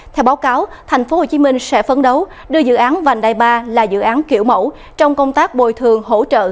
theo báo cáo tp hcm sẽ phấn đấu đưa dự án vành đai ba là dự án kiểu mẫu trong công tác bồi thường hỗ trợ